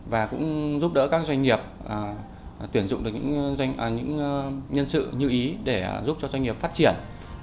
và cũng giúp đỡ các doanh nghiệp tuyển dụng được những nhân sự như ý để giúp cho doanh nghiệp phát triển